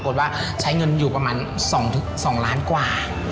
ว่าใช้เงินอยู่ประมาณ๒ล้านกว่า